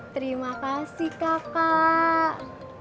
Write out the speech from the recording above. terima kasih kakak